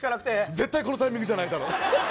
絶対このタイミングじゃないだろ。